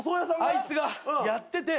あいつがやってて。